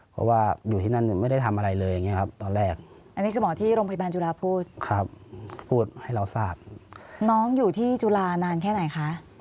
เพราะว่าอยู่ที่นั่นไม่ได้ทำอะไรเลยอย่างงี้ครับตอนแรก